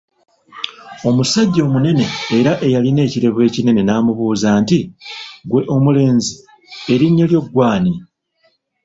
Omusajja omunene era eyalina ekirevu ekinene n'ambuuza nti, ggwe omulenzi, erinnya lyo ggwe ani?